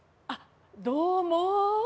あっどうも。